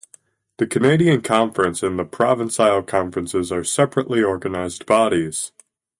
The Canadian conference and the provincial conferences are separately organized bodies.